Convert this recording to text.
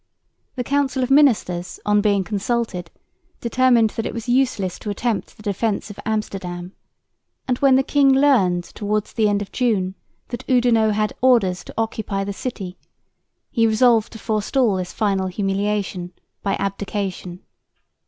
The Council of Ministers, on being consulted, determined that it was useless to attempt the defence of Amsterdam; and, when the king learned towards the end of June that Oudinot had orders to occupy the city, he resolved to forestall this final humiliation by abdication.